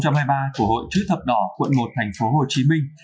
của hội chứ thập đỏ quận một thành phố hồ chí minh